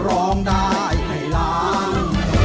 ร้องได้ให้ล้าน